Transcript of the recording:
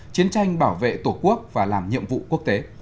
chiến tranh bảo vệ tổ quốc và làm nhiệm vụ quốc tế